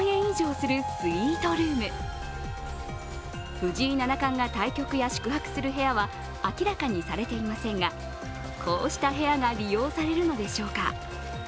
藤井七冠が対局や宿泊する部屋は明らかにされていませんがこうした部屋が利用されるのでしょうか。